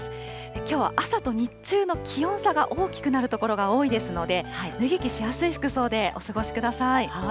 きょうは朝と日中の気温差が大きくなる所が多いですので、脱ぎきしやすい服装でお過ごしください。